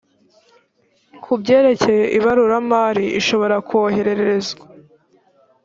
ku byerekeye ibaruramari ishobora kohererezwa